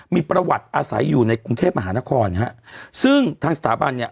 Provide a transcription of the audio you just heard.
มีประวัติอาศัยอยู่ในกรุงเทพมหานครฮะซึ่งทางสถาบันเนี่ย